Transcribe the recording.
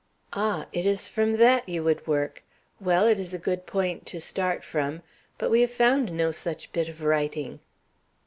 "Ah! It is from that you would work! Well, it is a good point to start from. But we have found no such bit of writing."